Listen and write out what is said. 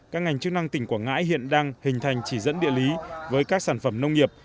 các ngành chức năng tỉnh quảng ngãi hiện đang hình thành chỉ dẫn địa lý với các sản phẩm nông nghiệp